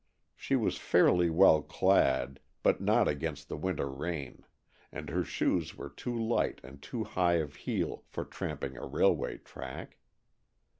She was fairly well clad, but not against the winter rain, and her shoes were too light and too high of heel for tramping a railway track.